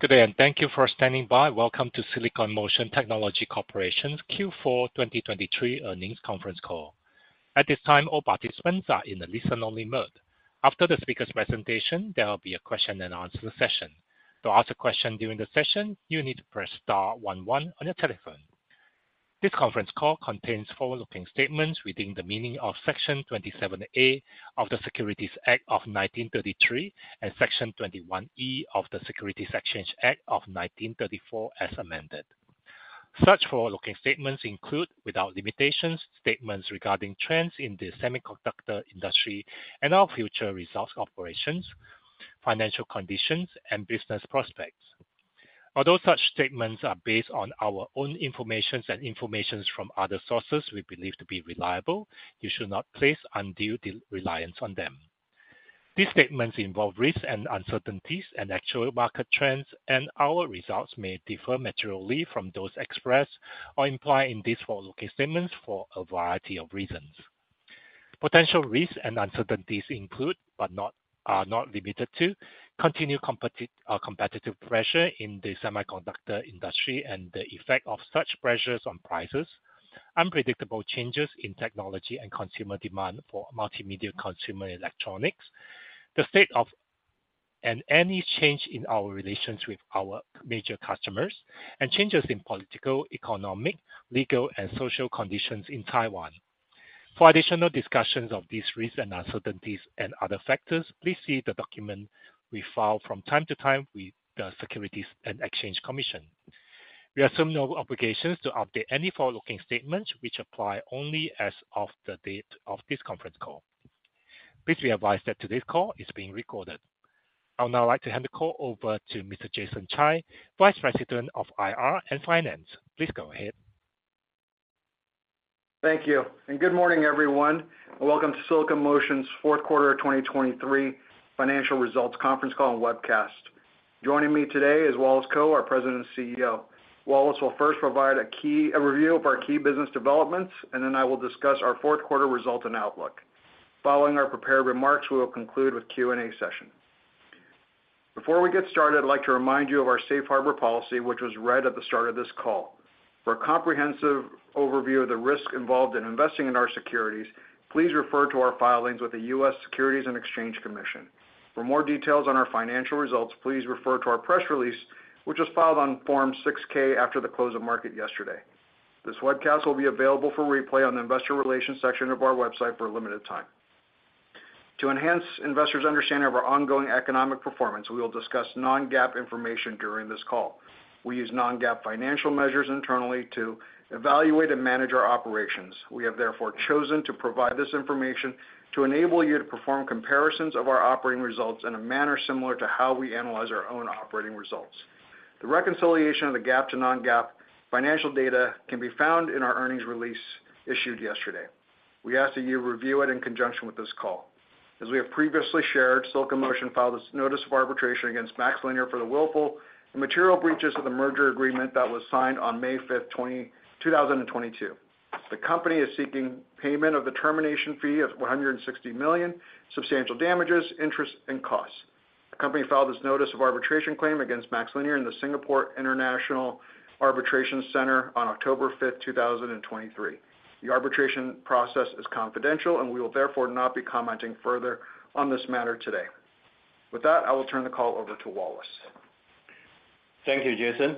Good day, and thank you for standing by. Welcome to Silicon Motion Technology Corporation's Q4 2023 earnings conference call. At this time, all participants are in a listen-only mode. After the speaker's presentation, there will be a question-and-answer session. To ask a question during the session, you need to press star one one on your telephone. This conference call contains forward-looking statements within the meaning of Section 27A of the Securities Act of 1933 and Section 21E of the Securities Exchange Act of 1934, as amended. Such forward-looking statements include, without limitations, statements regarding trends in the semiconductor industry and our future results, operations, financial conditions, and business prospects. Although such statements are based on our own information and information from other sources we believe to be reliable, you should not place undue reliance on them. These statements involve risks and uncertainties, and actual market trends and our results may differ materially from those expressed or implied in these forward-looking statements for a variety of reasons. Potential risks and uncertainties include but are not limited to continued competitive pressure in the semiconductor industry and the effect of such pressures on prices, unpredictable changes in technology and consumer demand for multimedia consumer electronics, the state of and any change in our relations with our major customers, and changes in political, economic, legal, and social conditions in Taiwan. For additional discussions of these risks and uncertainties and other factors, please see the document we file from time to time with the Securities and Exchange Commission. We assume no obligations to update any forward-looking statements which apply only as of the date of this conference call. Please be advised that today's call is being recorded. I would now like to hand the call over to Mr. Jason Tsai, Vice President of IR and Finance. Please go ahead. Thank you, and good morning, everyone. Welcome to Silicon Motion's fourth quarter of 2023 financial results conference call and webcast. Joining me today is Wallace Kou, our President and CEO. Wallace will first provide a review of our key business developments, and then I will discuss our fourth quarter results and outlook. Following our prepared remarks, we will conclude with Q&A session. Before we get started, I'd like to remind you of our safe harbor policy, which was read at the start of this call. For a comprehensive overview of the risks involved in investing in our securities, please refer to our filings with the U.S. Securities and Exchange Commission. For more details on our financial results, please refer to our press release, which was filed on Form 6-K after the close of market yesterday. This webcast will be available for replay on the investor relations section of our website for a limited time. To enhance investors' understanding of our ongoing economic performance, we will discuss non-GAAP information during this call. We use non-GAAP financial measures internally to evaluate and manage our operations. We have therefore chosen to provide this information to enable you to perform comparisons of our operating results in a manner similar to how we analyze our own operating results. The reconciliation of the GAAP to non-GAAP financial data can be found in our earnings release issued yesterday. We ask that you review it in conjunction with this call. As we have previously shared, Silicon Motion filed its notice of arbitration against MaxLinear for the willful and material breaches of the merger agreement that was signed on May 5, 2022. The company is seeking payment of the termination fee of $160 million, substantial damages, interest, and costs. The company filed this notice of arbitration claim against MaxLinear in the Singapore International Arbitration Center on October 5, 2023. The arbitration process is confidential, and we will therefore not be commenting further on this matter today. With that, I will turn the call over to Wallace. Thank you, Jason.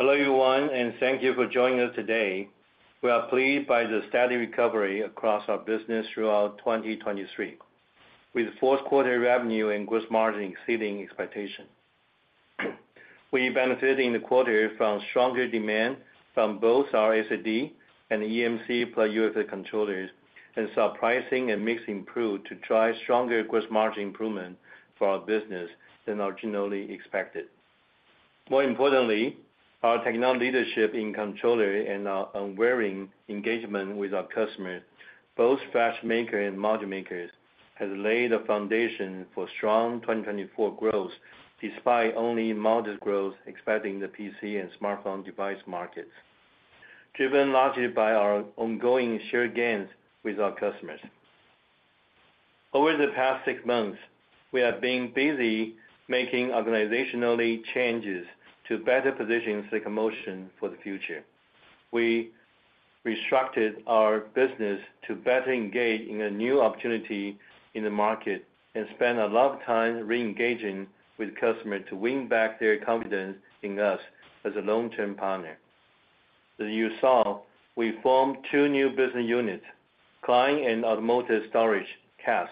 Hello, everyone, and thank you for joining us today. We are pleased by the steady recovery across our business throughout 2023, with fourth quarter revenue and gross margin exceeding expectations. We benefited in the quarter from stronger demand from both our SSD and eMMC, plus UFS controllers, and saw pricing and mix improve to drive stronger gross margin improvement for our business than originally expected. More importantly, our technology leadership in controllers and our unwavering engagement with our customers, both flash makers and module makers, has laid the foundation for strong 2024 growth, despite only modest growth in the PC and smartphone device markets, driven largely by our ongoing share gains with our customers. Over the past six months, we have been busy making organizational changes to better position Silicon Motion for the future. We restructured our business to better engage in the new opportunity in the market and spend a lot of time re-engaging with customers to win back their confidence in us as a long-term partner. As you saw, we formed two new business units, Client and Automotive Storage, CAS,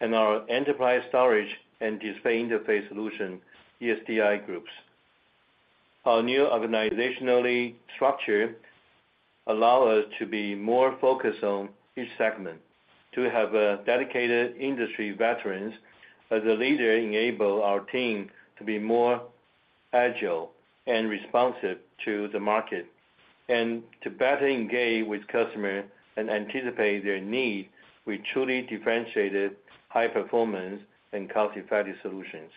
and our Enterprise Storage and Display Interface Solution, ESDI groups. Our new organizational structure allow us to be more focused on each segment. To have, dedicated industry veterans as a leader enable our team to be more agile and responsive to the market and to better engage with customers and anticipate their needs with truly differentiated high performance and cost-effective solutions.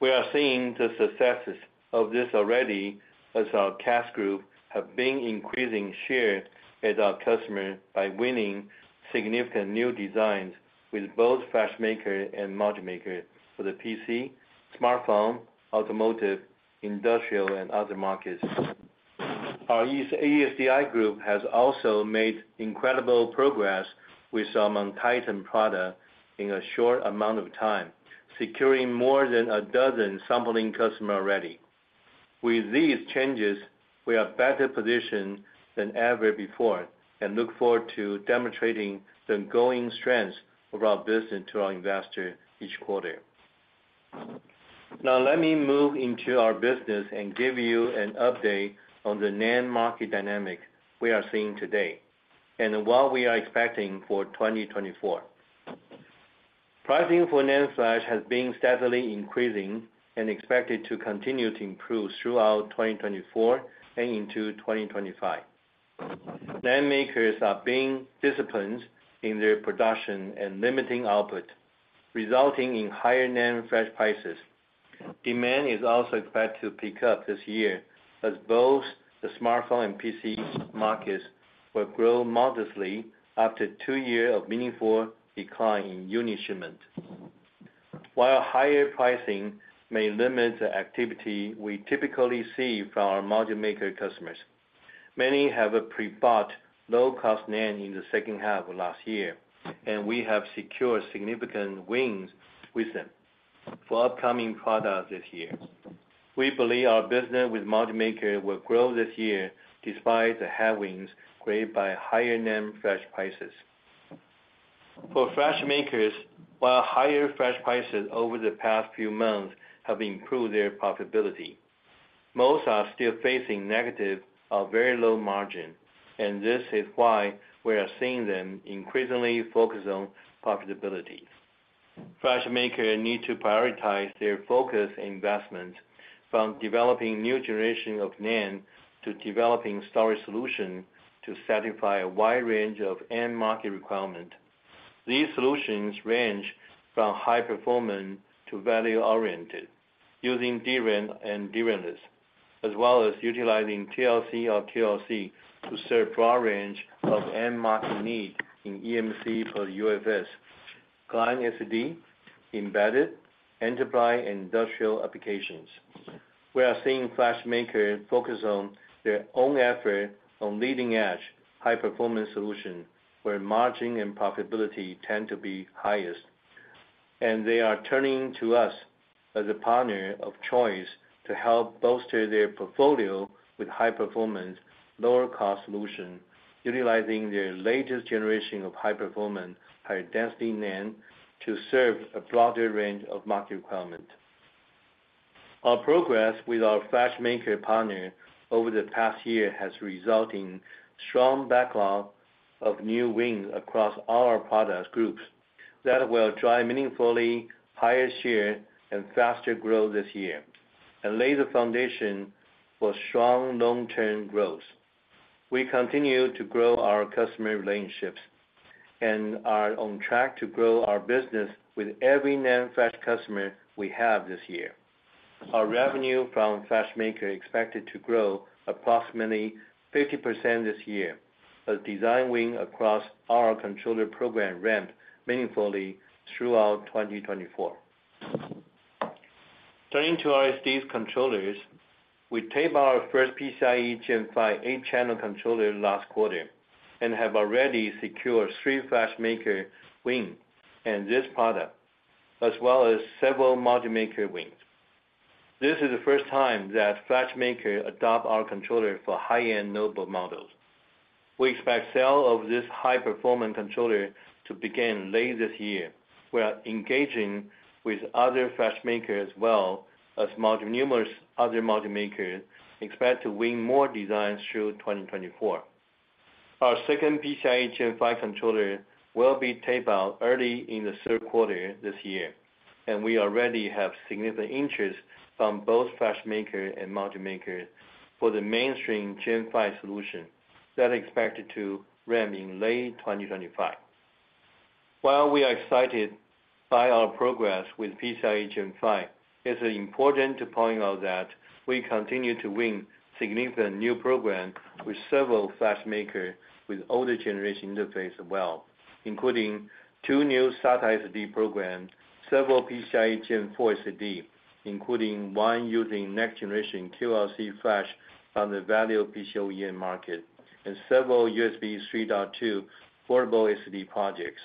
We are seeing the successes of this already as our CAS group have been increasing share with our customers by winning significant new designs with both flash maker and module maker for the PC, smartphone, automotive, industrial, and other markets. Our ESDI group has also made incredible progress with MonTitan product in a short amount of time, securing more than a dozen sampling customers already. With these changes, we are better positioned than ever before, and look forward to demonstrating the ongoing strength of our business to our investors each quarter. Now, let me move into our business and give you an update on the NAND market dynamics we are seeing today, and what we are expecting for 2024. Pricing for NAND flash has been steadily increasing and expected to continue to improve throughout 2024 and into 2025. NAND makers are being disciplined in their production and limiting output, resulting in higher NAND flash prices. Demand is also expected to pick up this year as both the smartphone and PC markets will grow modestly after two years of meaningful decline in unit shipments. While higher pricing may limit the activity we typically see from our module maker customers, many have pre-bought low-cost NAND in the second half of last year, and we have secured significant wins with them for upcoming products this year. We believe our business with module maker will grow this year despite the headwinds created by higher NAND flash prices. For flash makers, while higher flash prices over the past few months have improved their profitability, most are still facing negative or very low margin, and this is why we are seeing them increasingly focus on profitability. Flash maker need to prioritize their focus and investment from developing new generation of NAND to developing storage solution to satisfy a wide range of end market requirement. These solutions range from high performance to value-oriented, using DRAM and DRAMless, as well as utilizing TLC or QLC to serve a broad range of end market need in eMMC for the UFS, client SSD, embedded, enterprise, and industrial applications. We are seeing flash maker focus on their own effort on leading-edge high-performance solution, where margin and profitability tend to be highest. They are turning to us as a partner of choice to help bolster their portfolio with high performance, lower cost solution, utilizing their latest generation of high performance, high density NAND, to serve a broader range of market requirement. Our progress with our flash maker partner over the past year has resulted in strong backlog of new wins across all our products groups that will drive meaningfully higher share and faster growth this year, and lay the foundation for strong long-term growth. We continue to grow our customer relationships and are on track to grow our business with every NAND flash customer we have this year. Our revenue from flash maker expected to grow approximately 50% this year, as design win across our controller program ramp meaningfully throughout 2024. Turning to our SSD controllers, we taped out our first PCIe Gen5 8-channel controller last quarter and have already secured three flash maker win in this product, as well as several module maker wins. This is the first time that flash maker adopt our controller for high-end notebook models. We expect sale of this high-performance controller to begin late this year. We are engaging with other flash maker as well as module makers—numerous other module makers expect to win more designs through 2024. Our second PCIe Gen5 controller will be taped out early in the third quarter this year, and we already have significant interest from both flash maker and module maker for the mainstream Gen5 solution that's expected to ramp in late 2025. While we are excited by our progress with PCIe Gen5, it's important to point out that we continue to win significant new program with several flash maker with older generation interface as well, including two new SATA SSD programs, several PCIe Gen4 SSDs, including one using next-generation QLC flash in the value PC OEM market, and several USB 3.2 portable SSD projects.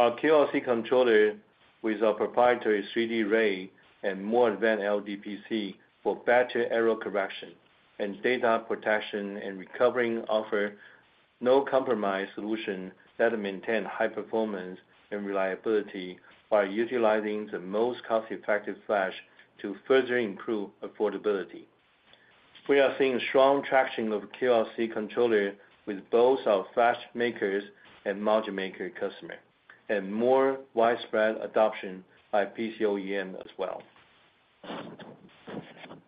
Our QLC controller with our proprietary 3D RAID and more advanced LDPC for better error correction and data protection and recovery offers no compromise solution that maintains high performance and reliability by utilizing the most cost-effective flash to further improve affordability. We are seeing strong traction of QLC controller with both our flash makers and module maker customer, and more widespread adoption by PC OEM as well.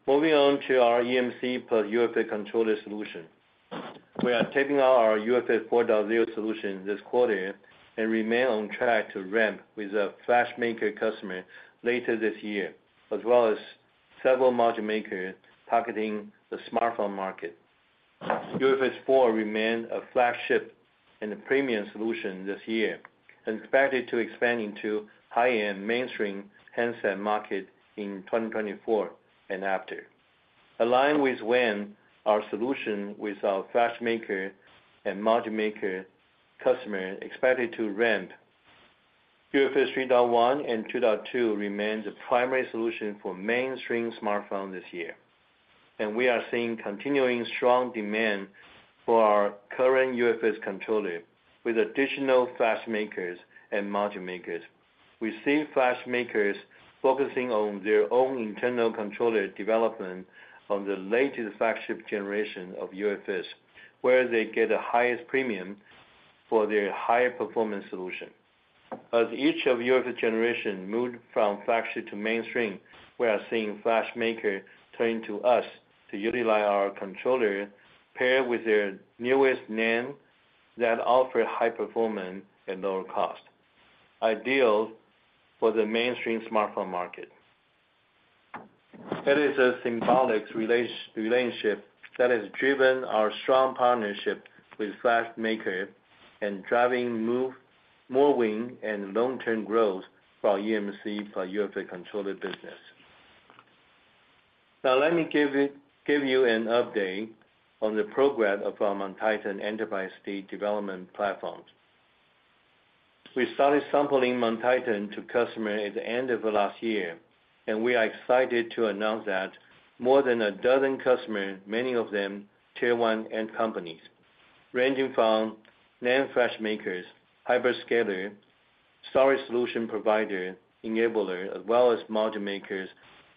Moving on to our eMMC plus UFS controller solution. We are taping out our UFS 4.0 solution this quarter and remain on track to ramp with a flash maker customer later this year, as well as several module makers targeting the smartphone market. UFS 4.0 remains a flagship and the premium solution this year, and expected to expand into high-end mainstream handset market in 2024 and after. Aligned with when our solution with our flash maker and module maker customer expected to ramp, UFS 3.1 and 2.2 remains the primary solution for mainstream smartphone this year. And we are seeing continuing strong demand for our current UFS controller with additional flash makers and module makers. We see flash makers focusing on their own internal controller development on the latest flagship generation of UFS, where they get the highest premium for their high-performance solution. As each of UFS generation moved from flagship to mainstream, we are seeing flash maker turning to us to utilize our controller paired with their newest NAND that offer high performance and lower cost, ideal for the mainstream smartphone market. That is a symbiotic relationship that has driven our strong partnership with flash maker and driving more win and long-term growth for eMMC, for UFS controller business. Now, let me give you an update on the progress of our MonTitan Enterprise SSD Development Platform. We started sampling MonTitan to customers at the end of last year, and we are excited to announce that more than a dozen customers, many of them Tier 1 end companies, ranging from NAND flash makers, hyperscalers, storage solution providers, enablers, as well as module makers,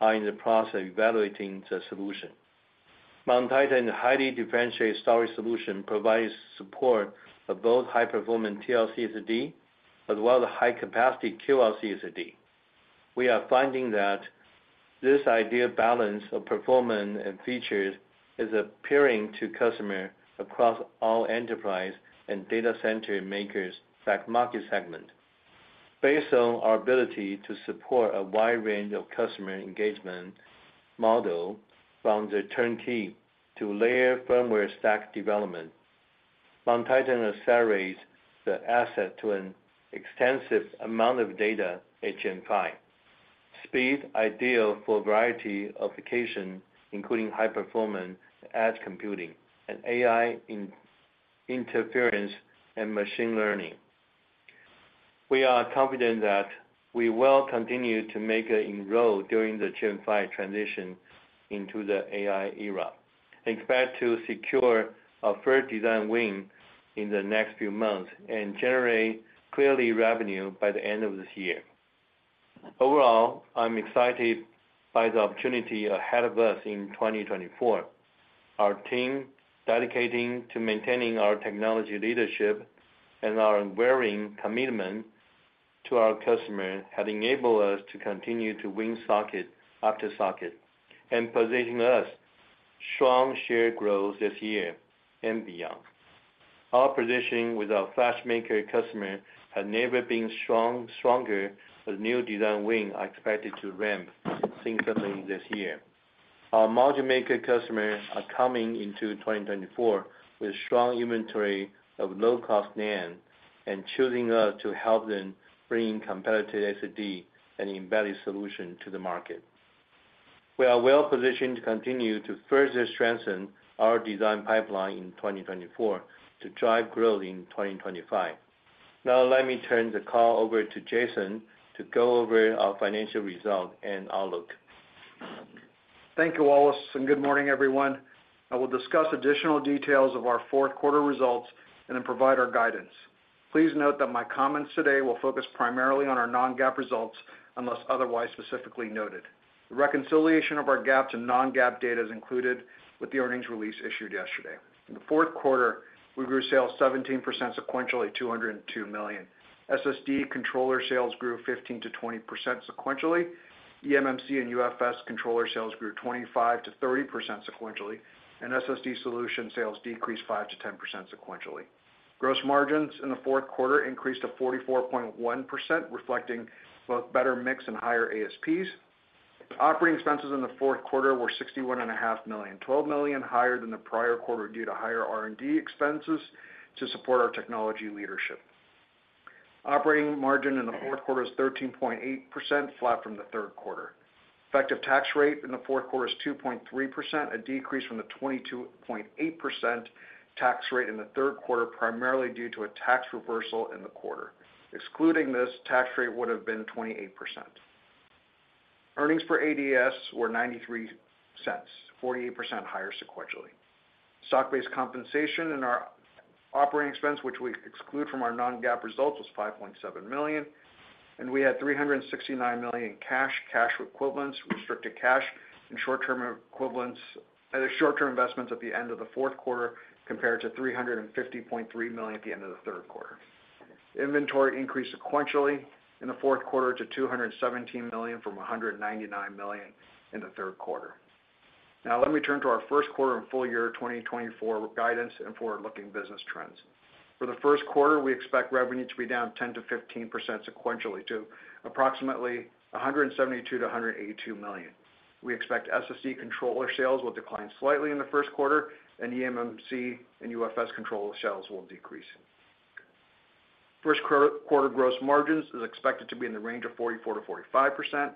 are in the process of evaluating the solution. MonTitan highly differentiated storage solution provides support of both high-performance TLC SSD, as well as high-capacity QLC SSD. We are finding that this ideal balance of performance and features is appealing to customers across all enterprise and data center makers fact market segment. Based on our ability to support a wide range of customer engagement model from the turnkey to layer firmware stack development, MonTitan accelerates the access to an extensive amount of data at Gen5 speed ideal for a variety of application, including high performance, edge computing, and AI inference and machine learning. We are confident that we will continue to make an inroad during the Gen5 transition into the AI era. Expect to secure a first design win in the next few months and generate early revenue by the end of this year. Overall, I'm excited by the opportunity ahead of us in 2024. Our team dedicating to maintaining our technology leadership and our unwavering commitment to our customers have enabled us to continue to win socket after socket and positioning us strong share growth this year and beyond. Our positioning with our flash maker customer has never been stronger, as new design wins are expected to ramp significantly this year. Our module maker customers are coming into 2024 with strong inventory of low-cost NAND and choosing us to help them bring competitive SSD and embedded solutions to the market. We are well positioned to continue to further strengthen our design pipeline in 2024 to drive growth in 2025. Now, let me turn the call over to Jason to go over our financial results and outlook. Thank you, Wallace, and good morning, everyone. I will discuss additional details of our fourth quarter results and then provide our guidance. Please note that my comments today will focus primarily on our non-GAAP results, unless otherwise specifically noted. The reconciliation of our GAAP to non-GAAP data is included with the earnings release issued yesterday. In the fourth quarter, we grew sales 17% sequentially to $202 million. SSD controller sales grew 15%-20% sequentially, eMMC and UFS controller sales grew 25%-30% sequentially, and SSD solution sales decreased 5%-10% sequentially. Gross margins in the fourth quarter increased to 44.1%, reflecting both better mix and higher ASPs. Operating expenses in the fourth quarter were $61.5 million, $12 million higher than the prior quarter due to higher R&D expenses to support our technology leadership. Operating margin in the fourth quarter is 13.8%, flat from the third quarter. Effective tax rate in the fourth quarter is 2.3%, a decrease from the 22.8% tax rate in the third quarter, primarily due to a tax reversal in the quarter. Excluding this, tax rate would have been 28%. Earnings per ADS were $0.93, 48% higher sequentially. Stock-based compensation in our operating expense, which we exclude from our non-GAAP results, was $5.7 million, and we had $369 million in cash, cash equivalents, restricted cash, and short-term equivalents, short-term investments at the end of the fourth quarter, compared to $350.3 million at the end of the third quarter. Inventory increased sequentially in the fourth quarter to $217 million from $199 million in the third quarter. Now, let me turn to our first quarter and full year 2024 guidance and forward-looking business trends. For the first quarter, we expect revenue to be down 10%-15% sequentially to approximately $172 million-$182 million. We expect SSD controller sales will decline slightly in the first quarter, and eMMC and UFS controller sales will decrease. First quarter gross margins is expected to be in the range of 44%-45%.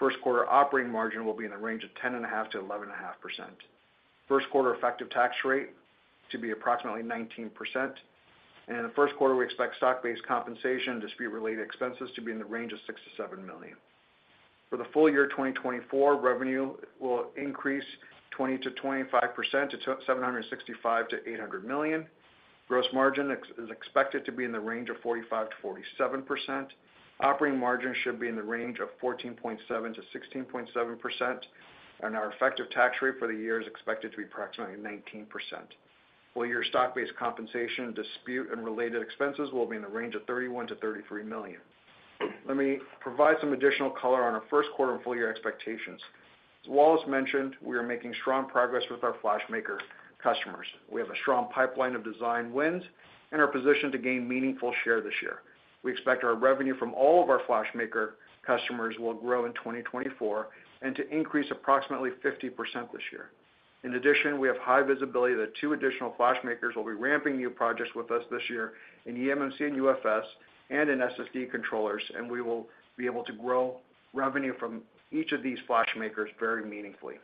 First quarter operating margin will be in the range of 10.5%-11.5%. First quarter effective tax rate to be approximately 19%, and in the first quarter, we expect stock-based compensation and dispute-related expenses to be in the range of $6 million-$7 million. For the full year, 2024, revenue will increase 20%-25% to $765 million-$800 million. Gross margin is expected to be in the range of 45%-47%. Operating margin should be in the range of 14.7%-16.7%, and our effective tax rate for the year is expected to be approximately 19%. Full year stock-based compensation, dispute, and related expenses will be in the range of $31 million-$33 million. Let me provide some additional color on our first quarter and full year expectations. As Wallace mentioned, we are making strong progress with our flash maker customers. We have a strong pipeline of design wins and are positioned to gain meaningful share this year. We expect our revenue from all of our flash maker customers will grow in 2024 and to increase approximately 50% this year. In addition, we have high visibility that two additional flash makers will be ramping new projects with us this year in eMMC and UFS and in SSD controllers, and we will be able to grow revenue from each of these flash makers very meaningfully.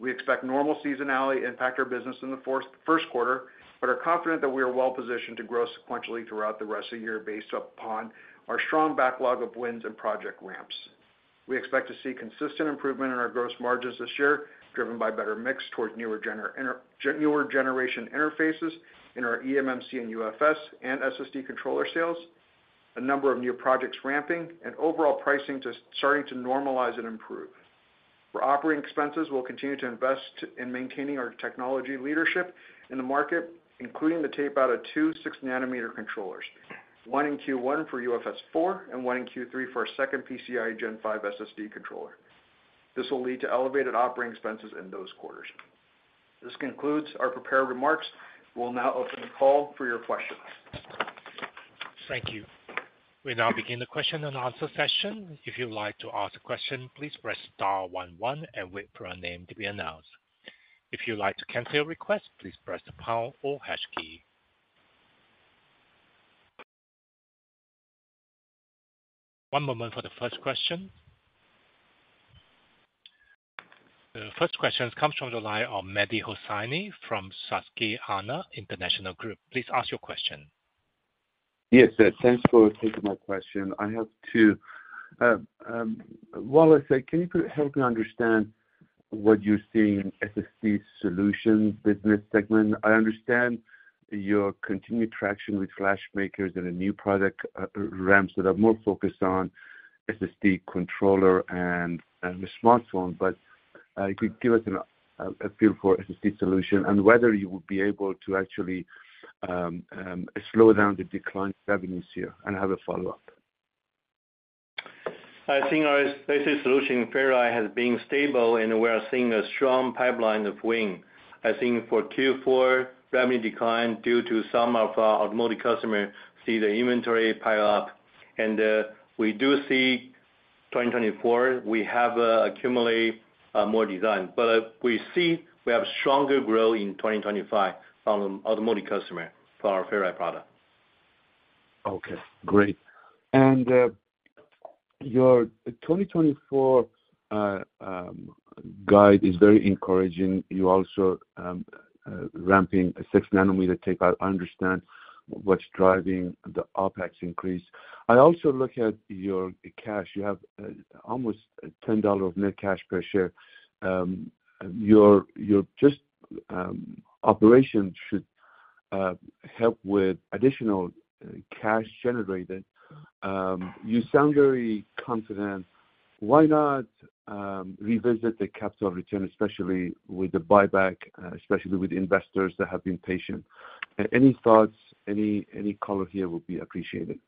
We expect normal seasonality to impact our business in the fourth, first quarter, but are confident that we are well positioned to grow sequentially throughout the rest of the year based upon our strong backlog of wins and project ramps. We expect to see consistent improvement in our gross margins this year, driven by better mix towards newer generation interfaces in our eMMC and UFS and SSD controller sales, a number of new projects ramping, and overall pricing just starting to normalize and improve. For operating expenses, we'll continue to invest in maintaining our technology leadership in the market, including the tape out of two 6-nm controllers, one in Q1 for UFS4 and one in Q3 for our second PCIe Gen 5 SSD controller. This will lead to elevated operating expenses in those quarters. This concludes our prepared remarks. We'll now open the call for your questions. Thank you. We now begin the question and answer session. If you'd like to ask a question, please press star one, one and wait for your name to be announced. If you'd like to cancel your request, please press the pound or hash key. One moment for the first question. The first question comes from the line of Mehdi Hosseini from Susquehanna International Group. Please ask your question. Yes, thanks for taking my question. I have two. Wallace, can you help me understand what you're seeing in SSD solutions business segment? I understand your continued traction with flash makers and the new product ramps that are more focused on SSD controller and the smartphone. But, if you could give us a feel for SSD solution and whether you would be able to actually slow down the decline in revenues here? And I have a follow-up. I think our SSD solution Ferri has been stable, and we are seeing a strong pipeline of win. I think for Q4, revenue declined due to some of our automotive customers see the inventory pile up, and we do see 2024, we have accumulate more design. But we see we have stronger growth in 2025 from automotive customer for our Ferri product. Okay, great. And your 2024 guide is very encouraging. You also ramping a 6-nm tape out. I understand what's driving the OpEx increase. I also look at your cash. You have almost $10 of net cash per share. Your just operations should help with additional cash generated. You sound very confident. Why not revisit the capital return, especially with the buyback, especially with investors that have been patient? Any thoughts, any color here would be appreciated.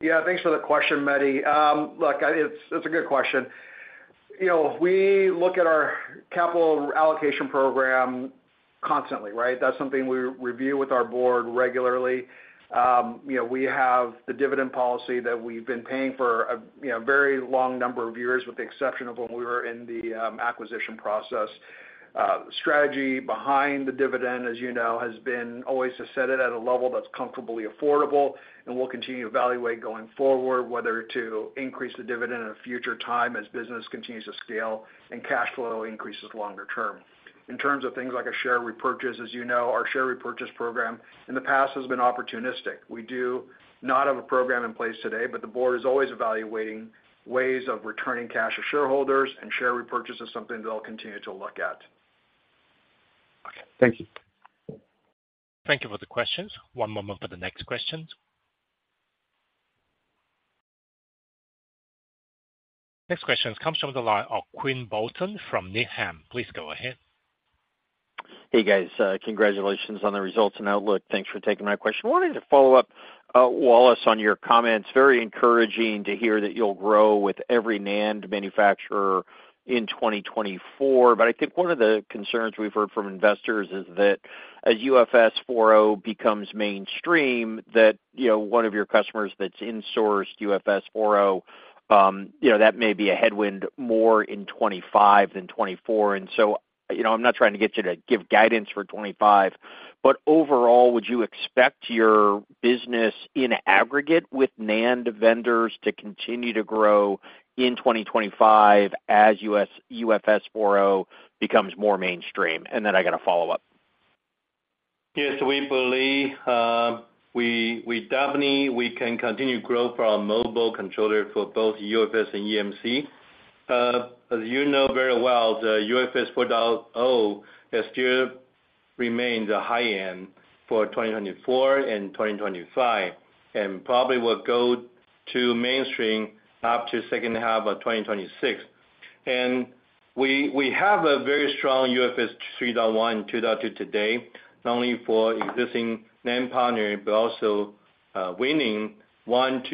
Yeah, thanks for the question, Mehdi. Look, it's a good question. You know, we look at our capital allocation program constantly, right? That's something we review with our board regularly. You know, we have the dividend policy that we've been paying for a, you know, very long number of years, with the exception of when we were in the, acquisition process. The strategy behind the dividend, as you know, has been always to set it at a level that's comfortably affordable, and we'll continue to evaluate going forward whether to increase the dividend at a future time as business continues to scale and cash flow increases longer term. In terms of things like a share repurchase, as you know, our share repurchase program in the past has been opportunistic. We do not have a program in place today, but the board is always evaluating ways of returning cash to shareholders, and share repurchase is something they'll continue to look at. Okay. Thank you. Thank you for the questions. One moment for the next questions. Next question comes from the line of Quinn Bolton from Needham. Please go ahead. Hey, guys, congratulations on the results and outlook. Thanks for taking my question. I wanted to follow up, Wallace, on your comments. Very encouraging to hear that you'll grow with every NAND manufacturer in 2024. But I think one of the concerns we've heard from investors is that as UFS 4.0 becomes mainstream, that, you know, one of your customers that's in-sourced UFS 4.0, you know, that may be a headwind more in 2025 than 2024. And so, you know, I'm not trying to get you to give guidance for 2025, but overall, would you expect your business in aggregate with NAND vendors to continue to grow in 2025 as UFS 4.0 becomes more mainstream? And then I got a follow-up. Yes, we believe we definitely can continue to grow from mobile controller for both UFS and eMMC. As you know very well, the UFS 4.0 still remains the high end for 2024 and 2025, and probably will go to mainstream up to second half of 2026. And we have a very strong UFS 3.1, 2.2 today, not only for existing NAND partner, but also winning 1-2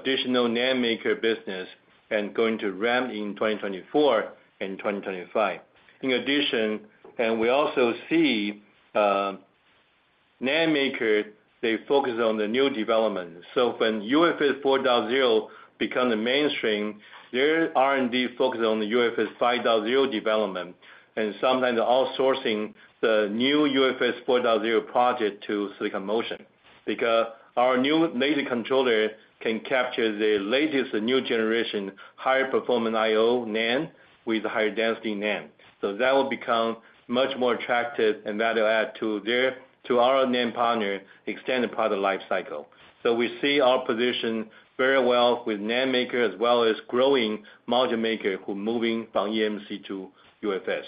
additional NAND maker business and going to ramp in 2024 and 2025. In addition, and we also see NAND maker, they focus on the new development. So when UFS 4.0 become the mainstream, their R&D focus on the UFS 5.0 development, and sometimes outsourcing the new UFS 4.0 project to Silicon Motion. Because our new laser controller can capture the latest new generation, higher performance I/O NAND, with higher density NAND. So that will become much more attractive, and that will add to their, to our NAND partner, extended product life cycle. So we see our position very well with NAND maker, as well as growing module maker, who moving from eMMC to UFS.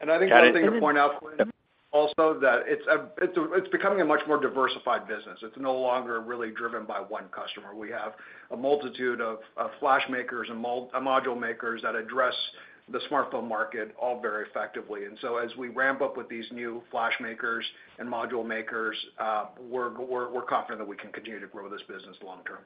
I think one thing to point out, Quinn, also, that it's becoming a much more diversified business. It's no longer really driven by one customer. We have a multitude of flash makers and module makers that address the smartphone market all very effectively. And so as we ramp up with these new flash makers and module makers, we're confident that we can continue to grow this business long term.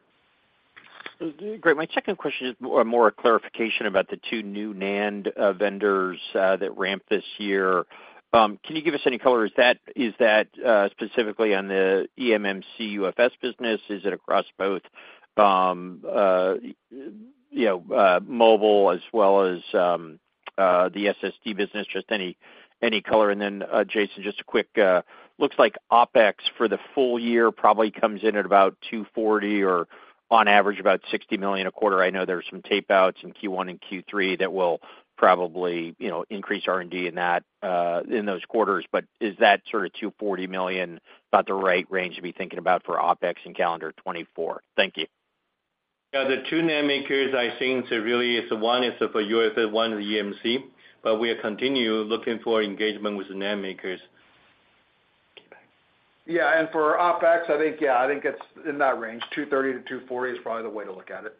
Great. My second question is more a clarification about the two new NAND vendors that ramped this year. Can you give us any color? Is that specifically on the eMMC UFS business? Is it across both, you know, mobile as well as the SSD business? Just any color. And then, Jason, just a quick, looks like OpEx for the full year probably comes in at about $240 million or on average, about $60 million a quarter. I know there are some tape outs in Q1 and Q3 that will probably, you know, increase R&D in that, in those quarters, but is that sort of $240 million about the right range to be thinking about for OpEx in calendar 2024? Thank you. Yeah, the two NAND makers, I think, so really is one is for UFS, one is eMMC, but we are continue looking for engagement with the NAND makers. Yeah, and for OpEx, I think, yeah, I think it's in that range. $230 million-$240 million is probably the way to look at it.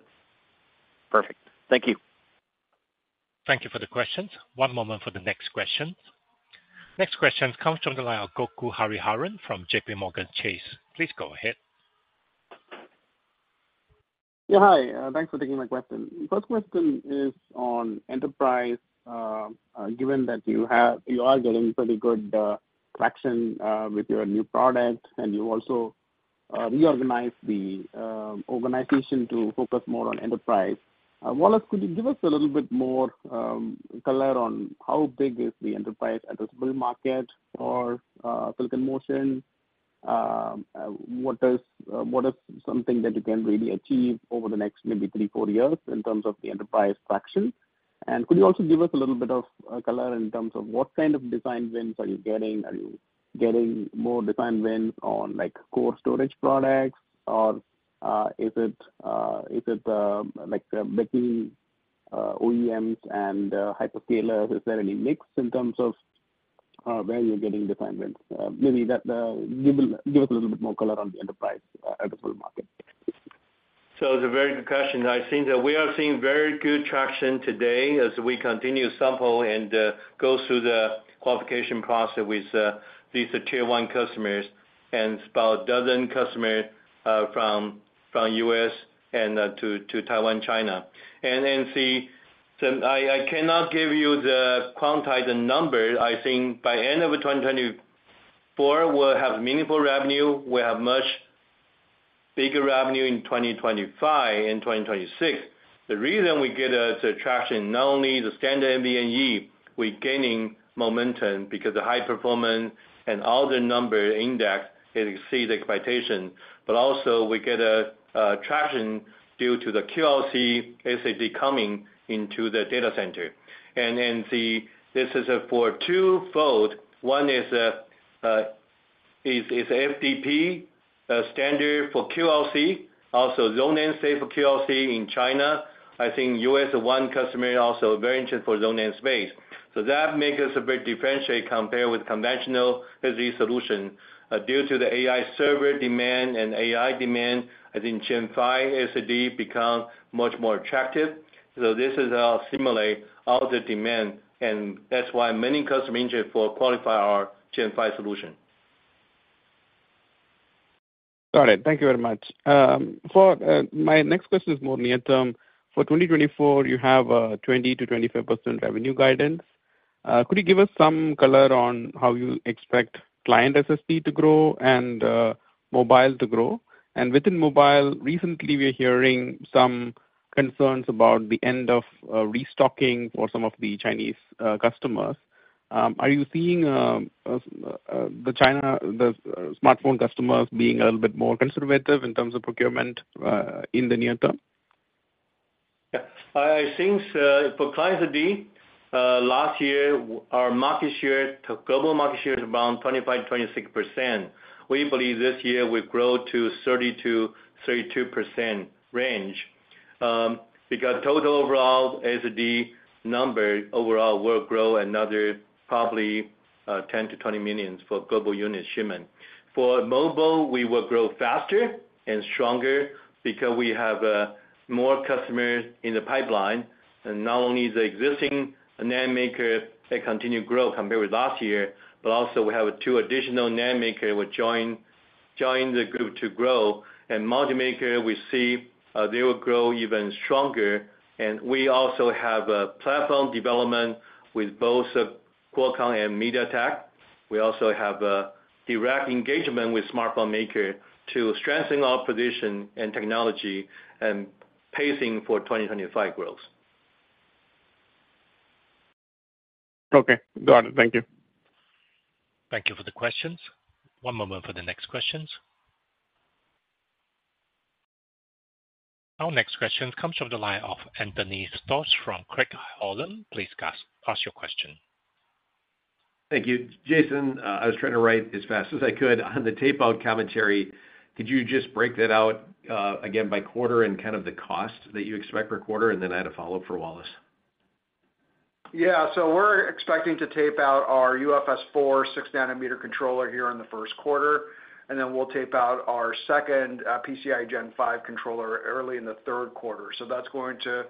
Perfect. Thank you. Thank you for the questions. One moment for the next question. Next question comes from the line of Gokul Hariharan from JPMorgan Chase. Please go ahead. Yeah, hi. Thanks for taking my question. First question is on enterprise. Given that you are getting pretty good traction with your new product, and you also reorganize the organization to focus more on enterprise. Wallace, could you give us a little bit more color on how big is the enterprise addressable market for Silicon Motion? What is something that you can really achieve over the next maybe three, four years in terms of the enterprise traction? And could you also give us a little bit of color in terms of what kind of design wins are you getting? Are you getting more design wins on, like, core storage products, or is it like between OEMs and hyperscalers? Is there any mix in terms of where you're getting design wins? Maybe give us a little bit more color on the enterprise addressable market. So it's a very good question. I think that we are seeing very good traction today as we continue sample and go through the qualification process with these Tier 1 customers, and about a dozen customer from U.S. and to Taiwan, China. So I cannot give you the quantified number. I think by end of 2024, we'll have meaningful revenue. We'll have much bigger revenue in 2025 and 2026. The reason we get the traction, not only the standard NVMe, we're gaining momentum because the high performance and all the number index, it exceeds expectation. But also we get a traction due to the QLC SSD coming into the data center. And the... This is for twofold. One is FDP, standard for QLC, also Zoned Namespace for QLC in China. I think U.S., one customer also very interested for Zoned Namespace. So that makes us a bit differentiate compared with conventional SSD solution. Due to the AI server demand and AI demand, I think Gen5 SSD become much more attractive. So this is simulate all the demand, and that's why many customers interested for qualify our Gen5 solution. Got it. Thank you very much. For my next question is more near term. For 2024, you have a 20%-25% revenue guidance. Could you give us some color on how you expect client SSD to grow and mobile to grow? And within mobile, recently, we are hearing some concerns about the end of restocking for some of the Chinese customers. Are you seeing the Chinese smartphone customers being a little bit more conservative in terms of procurement in the near term? Yeah. I, I think, for client SSD, last year, our market share, took global market share is around 25-26%. We believe this year will grow to 30%-32% range. Because total overall SSD number overall will grow another probably, 10-20 million for global unit shipment. For mobile, we will grow faster and stronger because we have, more customers in the pipeline. And not only the existing NAND maker, they continue grow compared with last year, but also we have two additional NAND maker will join the group to grow. And module maker, we see, they will grow even stronger. And we also have a platform development with both, Qualcomm and MediaTek. We also have a direct engagement with smartphone maker to strengthen our position and technology and pacing for 2025 growth. Okay, got it. Thank you. Thank you for the questions. One moment for the next questions. Our next question comes from the line of Anthony Stoss from Craig-Hallum. Please ask, ask your question. Thank you. Jason, I was trying to write as fast as I could. On the tape-out commentary, could you just break that out, again, by quarter and kind of the cost that you expect per quarter? And then I had a follow-up for Wallace. Yeah. So we're expecting to tape out our UFS 4.0, 6-nm controller here in the first quarter, and then we'll tape out our second PCIe Gen5 controller early in the third quarter. So that's going to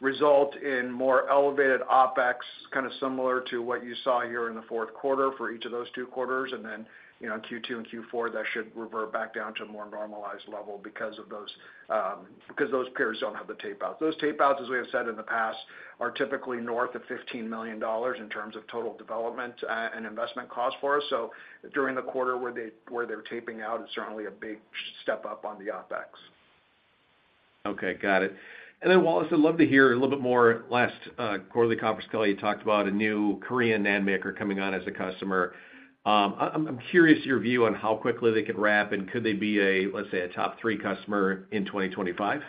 result in more elevated OpEx, kind of similar to what you saw here in the fourth quarter for each of those two quarters. And then, you know, in Q2 and Q4, that should revert back down to a more normalized level because of those, because those peers don't have the tape out. Those tape outs, as we have said in the past, are typically north of $15 million in terms of total development and investment cost for us. So during the quarter where they, where they're taping out, it's certainly a big step up on the OpEx. Okay, got it. And then, Wallace, I'd love to hear a little bit more. Last quarterly conference call, you talked about a new Korean NAND maker coming on as a customer. I'm curious your view on how quickly they could ramp, and could they be a, let's say, a top three customer in 2025?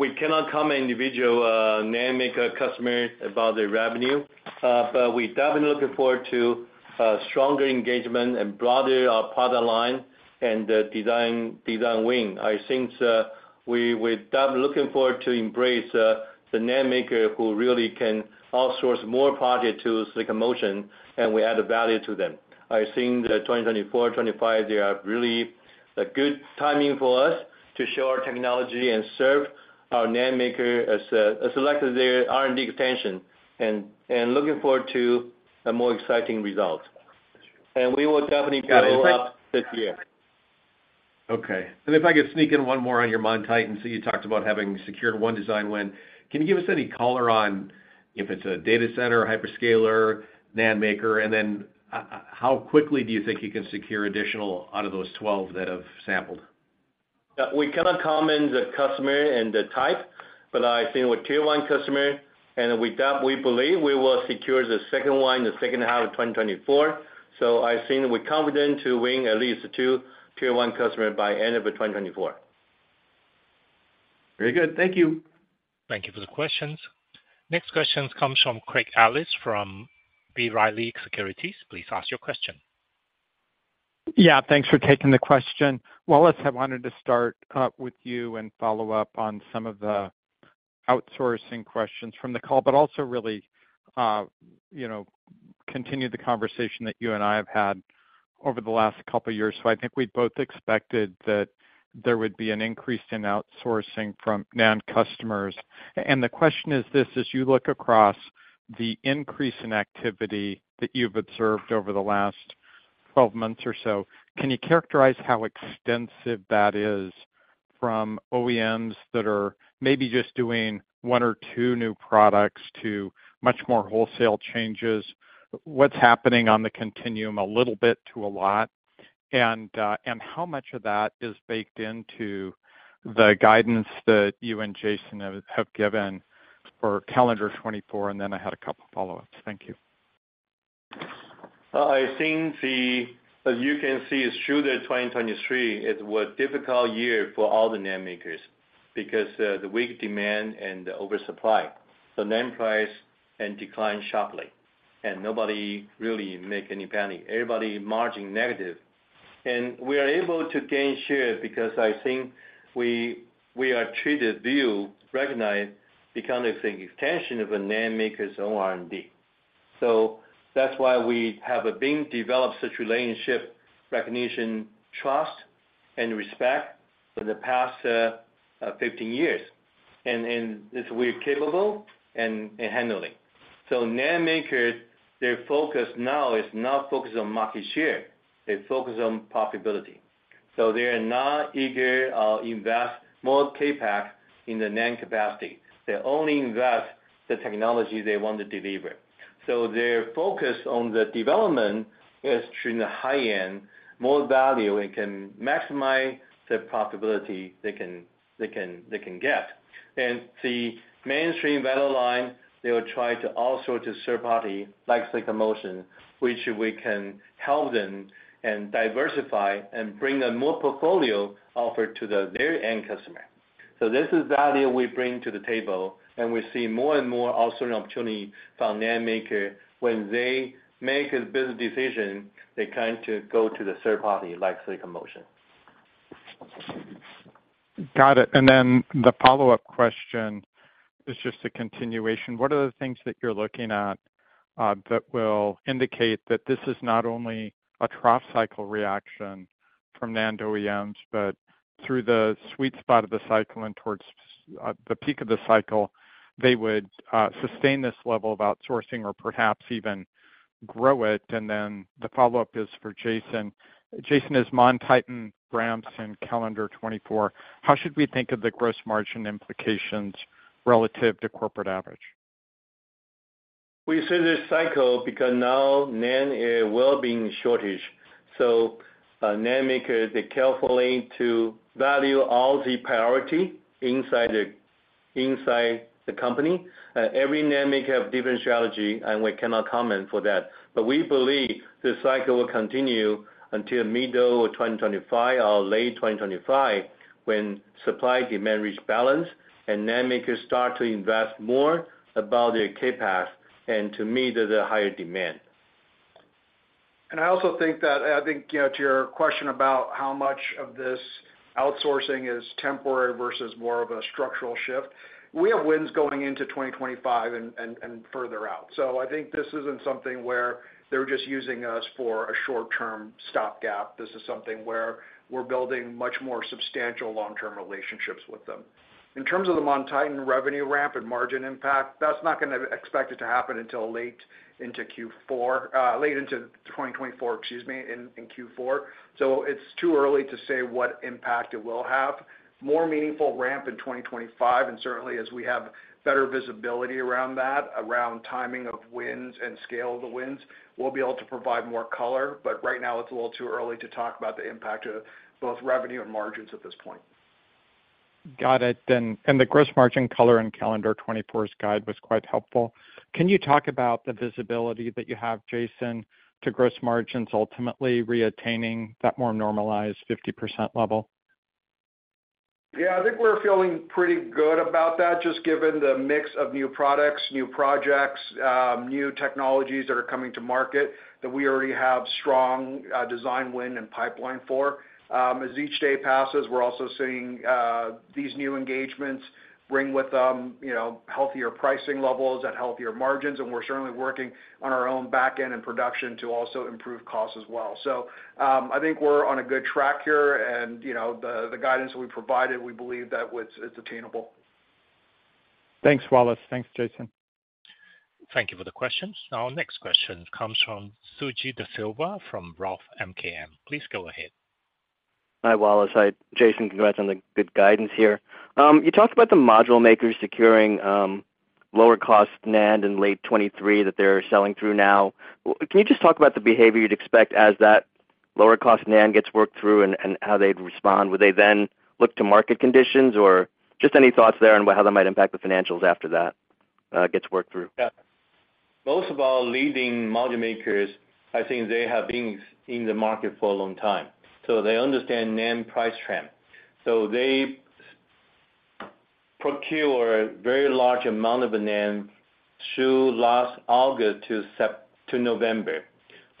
We cannot comment individual NAND maker customer about their revenue. But we definitely looking forward to stronger engagement and broader our product line and the design design win. I think we definitely looking forward to embrace the NAND maker who really can outsource more project to Silicon Motion, and we add value to them. I think that 2024-2025, they are really a good timing for us to show our technology and serve our NAND maker as a select their R&D extension, and looking forward to a more exciting result. And we will definitely follow up this year. Okay. And if I could sneak in one more on your MonTitan. I see you talked about having secured one design win. Can you give us any color on if it's a data center, hyperscaler, NAND maker? And then, how quickly do you think you can secure additional out of those 12 that have sampled? We cannot comment the customer and the type, but I think with Tier 1 customer, and with that, we believe we will secure the second one in the second half of 2024. So I think we're confident to win at least two Tier 1 customer by end of 2024. Very good. Thank you. Thank you for the questions. Next question comes from Craig Ellis from B. Riley Securities. Please ask your question. Yeah, thanks for taking the question. Wallace, I wanted to start with you and follow up on some of the outsourcing questions from the call, but also really, you know, continue the conversation that you and I have had over the last couple of years. So I think we both expected that there would be an increase in outsourcing from NAND customers. And the question is this: as you look across the increase in activity that you've observed over the last 12 months or so, can you characterize how extensive that is from OEMs that are maybe just doing one or two new products to much more wholesale changes? What's happening on the continuum, a little bit to a lot? And how much of that is baked into the guidance that you and Jason have given for calendar 2024? And then I had a couple follow-ups. Thank you. I think, as you can see, through the 2023, it was difficult year for all the NAND makers because the weak demand and the oversupply. The NAND price and declined sharply, and nobody really make any penny. Everybody margin negative. And we are able to gain share because I think we, we are treated view, recognized, become the extension of a NAND maker's own R&D. So that's why we have been developed such relationship, recognition, trust, and respect for the past 15 years. And it's we're capable and handling. So NAND makers, their focus now is not focused on market share. They focus on profitability. So they are not eager invest more CapEx in the NAND capacity. They only invest the technology they want to deliver. So their focus on the development is through the high-end, more value, and can maximize the profitability they can get, and the mainstream value line, they will try also to third party like Silicon Motion, which we can help them and diversify and bring them more portfolio offered to their end customer. So this is the idea we bring to the table, and we see more and more also an opportunity from NAND makers. When they make a business decision, they tend to go to the third party like Silicon Motion. Got it. And then the follow-up question is just a continuation. What are the things that you're looking at, that will indicate that this is not only a trough cycle reaction from NAND OEMs, but through the sweet spot of the cycle and towards, the peak of the cycle, they would, sustain this level of outsourcing or perhaps even grow it? And then the follow-up is for Jason. Jason, as MonTitan ramps in calendar 2024, how should we think of the gross margin implications relative to corporate average? We see this cycle because now NAND will be in shortage. So, NAND maker, they carefully to value all the priority inside the, inside the company. Every NAND maker have different strategy, and we cannot comment for that. But we believe this cycle will continue until middle of 2025 or late 2025, when supply, demand reach balance, and NAND makers start to invest more about their CapEx, and to me, the higher demand. I also think that you know, to your question about how much of this outsourcing is temporary versus more of a structural shift, we have wins going into 2025 and further out. So I think this isn't something where they're just using us for a short-term stopgap. This is something where we're building much more substantial long-term relationships with them. In terms of the MonTitan revenue ramp and margin impact, that's not gonna expect it to happen until late into Q4, late into 2024, excuse me, in Q4. So it's too early to say what impact it will have. More meaningful ramp in 2025, and certainly as we have better visibility around that, around timing of wins and scale of the wins, we'll be able to provide more color. But right now it's a little too early to talk about the impact of both revenue and margins at this point. Got it. The gross margin color and calendar 2024's guide was quite helpful. Can you talk about the visibility that you have, Jason, to gross margins ultimately reattaining that more normalized 50% level? Yeah, I think we're feeling pretty good about that, just given the mix of new products, new projects, new technologies that are coming to market, that we already have strong design win and pipeline for. As each day passes, we're also seeing these new engagements bring with them, you know, healthier pricing levels and healthier margins, and we're certainly working on our own back end and production to also improve costs as well. So, I think we're on a good track here, and, you know, the guidance that we've provided, we believe that was, is attainable. Thanks, Wallace. Thanks, Jason. Thank you for the questions. Our next question comes from Suji DeSilva from Roth MKM. Please go ahead. Hi, Wallace. Hi, Jason. Congrats on the good guidance here. You talked about the module makers securing lower cost NAND in late 2023 that they're selling through now. Can you just talk about the behavior you'd expect as that lower cost NAND gets worked through and, and how they'd respond? Would they then look to market conditions, or just any thoughts there on how that might impact the financials after that gets worked through? Yeah. Most of our leading module makers, I think they have been in the market for a long time, so they understand NAND price trend. So they procure very large amount of NAND through last August to September to November.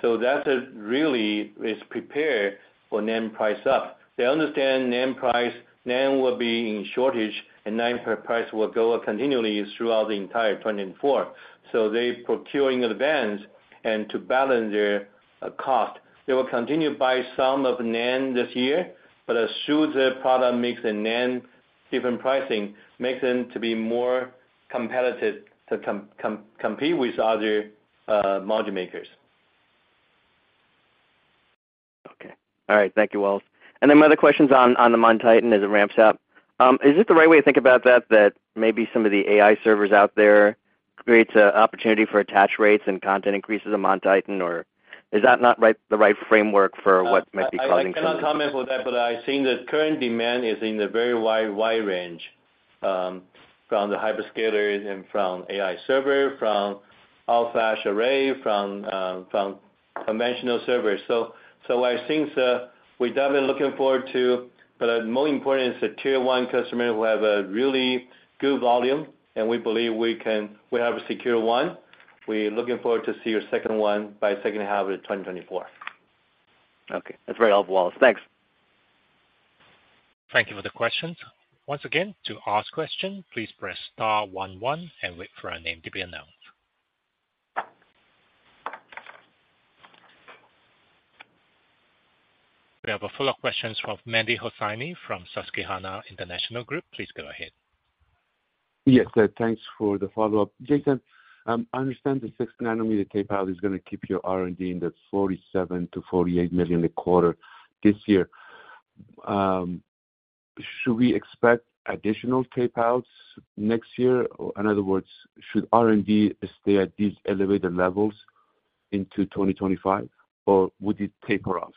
So that is really is prepared for NAND price up. They understand NAND price, NAND will be in shortage, and NAND price will go up continually throughout the entire 2024. So they procuring in advance, and to balance their cost, they will continue to buy some of NAND this year, but as sure the product makes the NAND different pricing, makes them to be more competitive, to compete with other module makers. Okay. All right. Thank you, Wallace. And then my other question's on the MonTitan as it ramps up. Is this the right way to think about that, that maybe some of the AI servers out there creates a opportunity for attach rates and content increases of MonTitan, or is that not the right framework for what might be causing- I cannot comment on that, but I think the current demand is in a very wide, wide range, from the hyperscalers and from AI server, from all-flash array, from conventional servers. So I think we're definitely looking forward to, but more important is the Tier 1 customer who have a really good volume, and we believe we can—we have a secure one. We're looking forward to see your second one by second half of 2024. Okay. That's very helpful, Wallace. Thanks. Thank you for the questions. Once again, to ask question, please press star one one and wait for your name to be announced. We have a follow-up questions from Mehdi Hosseini from Susquehanna International Group. Please go ahead. Yes, thanks for the follow-up. Jason, I understand the 6-nm tapeout is gonna keep your R&D in the $47 million-$48 million a quarter this year. Should we expect additional tapeouts next year? Or in other words, should R&D stay at these elevated levels into 2025, or would it taper off?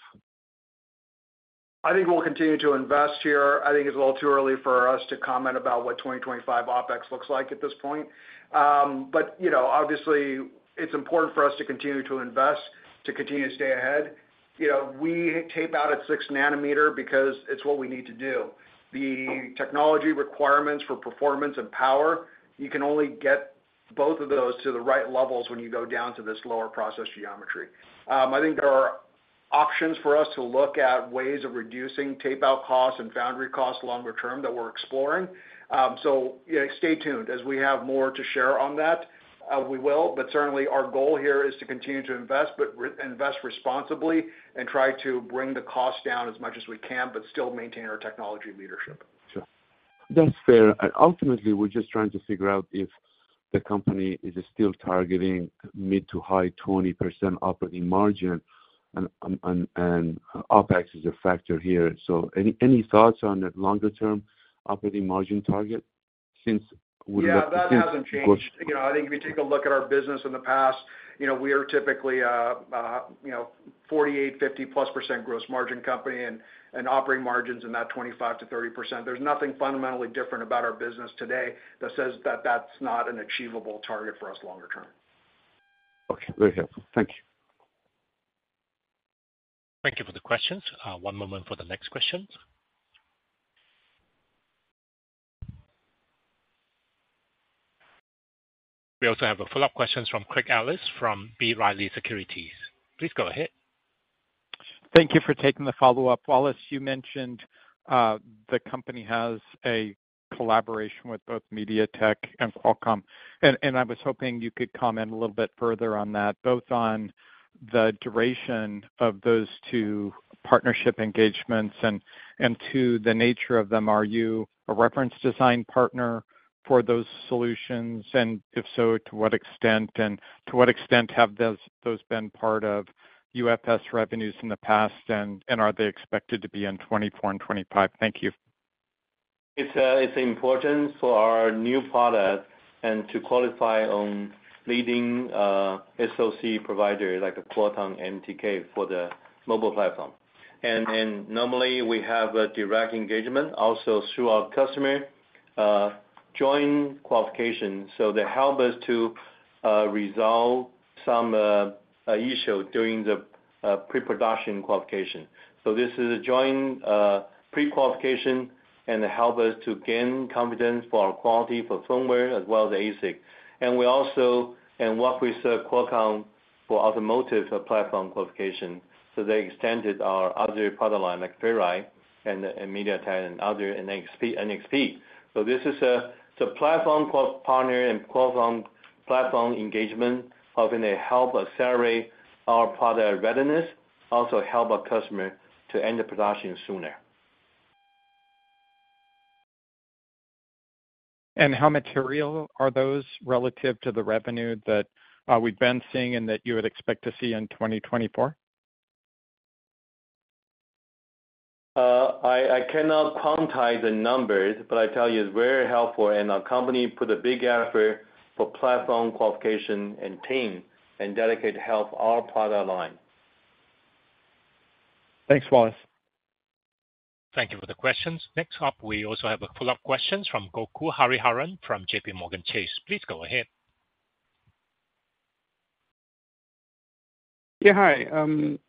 I think we'll continue to invest here. I think it's a little too early for us to comment about what 2025 OpEx looks like at this point. But, you know, obviously, it's important for us to continue to invest, to continue to stay ahead. You know, we tape out at 6-nm because it's what we need to do. The technology requirements for performance and power, you can only get both of those to the right levels when you go down to this lower process geometry. I think there are options for us to look at ways of reducing tape-out costs and foundry costs longer term that we're exploring. So, you know, stay tuned. As we have more to share on that, we will, but certainly our goal here is to continue to invest, but reinvest responsibly and try to bring the cost down as much as we can, but still maintain our technology leadership. Sure. That's fair, and ultimately, we're just trying to figure out if the company is still targeting mid- to high-20% operating margin, and OpEx is a factor here. So any thoughts on that longer-term operating margin target since we look- Yeah, that hasn't changed. You know, I think if you take a look at our business in the past, you know, we are typically 48%-50%+ gross margin company and operating margins in that 25%-30%. There's nothing fundamentally different about our business today that says that that's not an achievable target for us longer term. Okay. Very helpful. Thank you. Thank you for the questions. One moment for the next questions. We also have a follow-up questions from Craig Ellis from B. Riley Securities. Please go ahead. Thank you for taking the follow-up. Wallace, you mentioned the company has a collaboration with both MediaTek and Qualcomm, and I was hoping you could comment a little bit further on that, both on the duration of those two partnership engagements, and to the nature of them. Are you a reference design partner for those solutions? And if so, to what extent, and to what extent have those been part of UFS revenues in the past, and are they expected to be in 2024 and 2025? Thank you. It's, it's important for our new product and to qualify on leading, SoC provider like a Qualcomm MTK for the mobile platform. And normally, we have a direct engagement also through our customer, joint qualification. So they help us to resolve some issue during the pre-production qualification. So this is a joint pre-qualification, and it help us to gain confidence for our quality for firmware as well as ASIC. And we also work with Qualcomm for automotive platform qualification, so they extended our other product line, like Ferri and MediaTek and other NXP, NXP. So this is a, it's a platform qual- partner and Qualcomm platform engagement, helping to help accelerate our product readiness, also help our customer to enter production sooner. How material are those relative to the revenue that we've been seeing and that you would expect to see in 2024? I cannot quantify the numbers, but I tell you, it's very helpful, and our company put a big effort for platform qualification and team, and dedicate to help our product line. Thanks, Wallace. Thank you for the questions. Next up, we also have a follow-up questions from Gokul Hariharan from JPMorgan Chase. Please go ahead. Yeah, hi.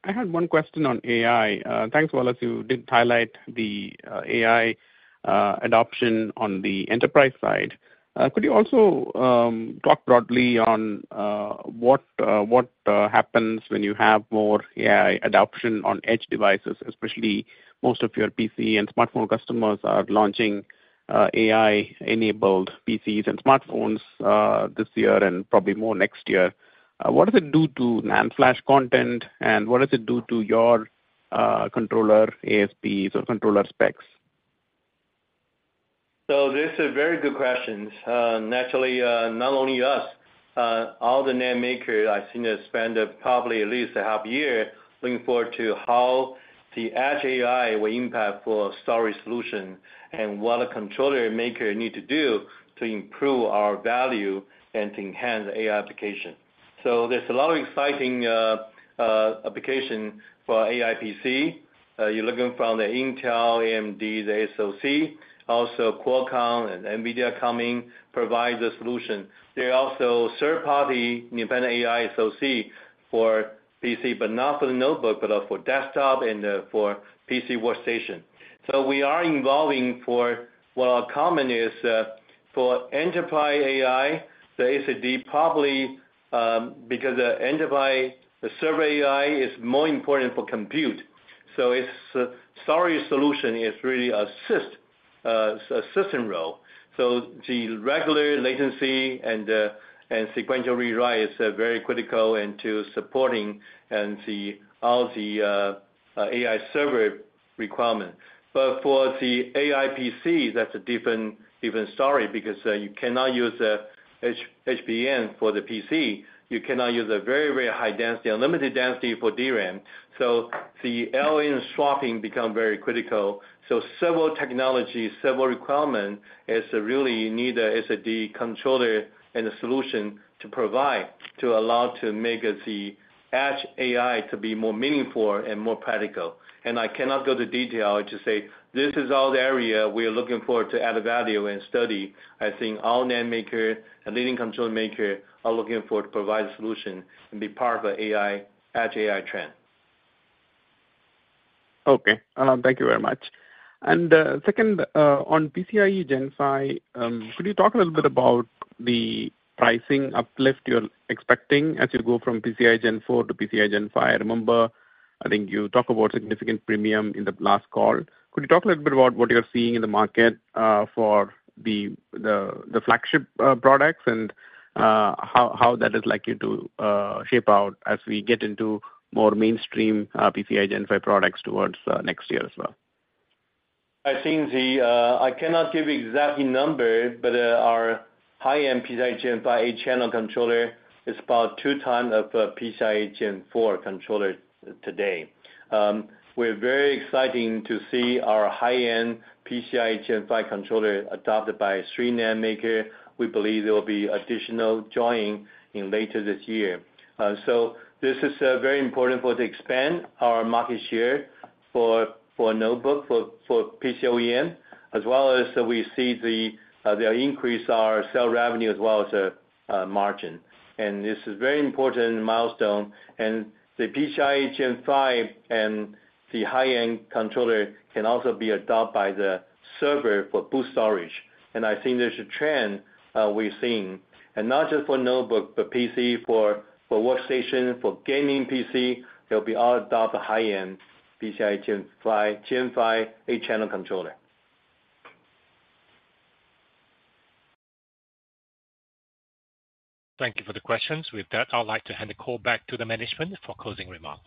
I had one question on AI. Thanks, Wallace. You did highlight the AI adoption on the enterprise side. Could you also talk broadly on what happens when you have more AI adoption on edge devices, especially most of your PC and smartphone customers are launching AI-enabled PCs and smartphones this year and probably more next year? What does it do to NAND flash content, and what does it do to your controller ASPs or controller specs? So this is very good questions. Naturally, not only us, all the NAND maker I've seen has spent probably at least a half year looking forward to how the edge AI will impact for storage solution and what a controller maker need to do to improve our value and to enhance the AI application. So there's a lot of exciting application for AI PC. You're looking from the Intel, AMD, the SoC, also Qualcomm and NVIDIA coming, provide the solution. They're also third-party independent AI SoC for PC, but not for the notebook, but for desktop and for PC workstation. So we are involving for what our comment is, for enterprise AI, the SSD probably, because the enterprise, the server AI is more important for compute. So its storage solution is really assist, assistant role. So the regular latency and sequential rewrite is very critical in supporting all the AI server requirement. But for the AI PC, that's a different even story because you cannot use HBM for the PC. You cannot use a very, very high density, unlimited density for DRAM. So the L-in swapping become very critical. So several technologies, several requirement is really need a SSD controller and a solution to provide, to allow to make the edge AI to be more meaningful and more practical. And I cannot go to detail to say this is all the area we are looking forward to add value and study. I think all NAND maker and leading controller maker are looking forward to provide a solution and be part of the AI edge AI trend. Okay, thank you very much. And, second, on PCIe Gen5, could you talk a little bit about the pricing uplift you're expecting as you go from PCIe Gen4 to PCIe Gen5? I remember, I think you talked about significant premium in the last call. Could you talk a little bit about what you're seeing in the market for the flagship products, and how that is likely to shape out as we get into more mainstream PCIe Gen5 products towards next year as well? I think, I cannot give exact number, but, our high-end PCIe Gen 5 8-channel controller is about 2x of, PCIe Gen 4 controller today. We're very exciting to see our high-end PCIe Gen 5 controller adopted by three NAND maker. We believe there will be additional joining in later this year. So this is, very important for to expand our market share for notebook, for PC OEM, as well as we see the, the increase our sale revenue as well as, margin. And this is very important milestone. And the PCIe Gen 5 and the high-end controller can also be adopted by the server for boot storage. I think there's a trend we've seen, and not just for notebook, but PC, for workstation, for gaming PC, they'll be all adopt the high-end PCIe Gen5, Gen5 8-channel controller. Thank you for the questions. With that, I'd like to hand the call back to the management for closing remarks.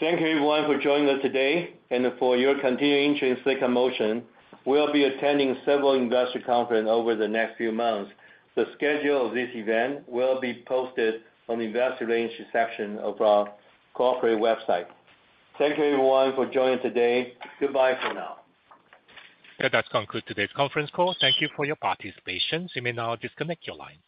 Thank you, everyone, for joining us today and for your continuing interest in Silicon Motion. We'll be attending several investor conferences over the next few months. The schedule of this event will be posted on the Investor Relations section of our corporate website. Thank you, everyone, for joining today. Goodbye for now. That concludes today's conference call. Thank you for your participation. You may now disconnect your lines.